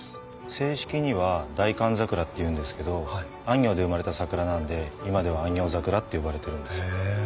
正式には「大寒桜」っていうんですけど安行で生まれた桜なんで今では安行桜って呼ばれてるんですよ。